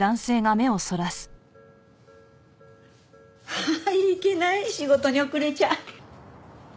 あっいけない仕事に遅れちゃう。